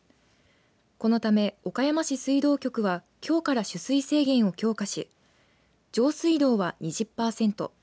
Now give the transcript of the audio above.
このため、岡山市水道局はきょうから取水制限を強化し上水道は２０パーセント